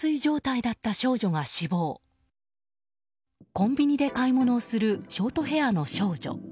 コンビニで買い物をするショートヘアの少女。